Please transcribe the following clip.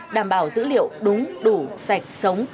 đảm bảo dữ liệu đúng đủ sạch sống